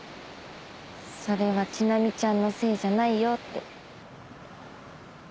それは千波ちゃんのせいじゃないよって。